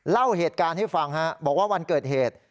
เล่าเหตุการณ์ให้ฟังบอกว่าวันเกิดเหตุ